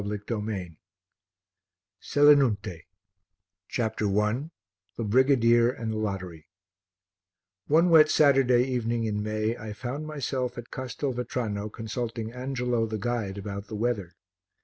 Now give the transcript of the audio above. BRANCACCIA 317 SELINUNTE CHAPTER I THE BRIGADIER AND THE LOTTERY One wet Saturday evening in May I found myself at Castelvetrano consulting Angelo, the guide, about the weather.